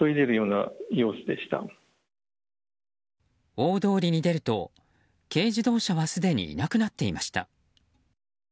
大通りに出ると、軽自動車はすでにいなくなっていました。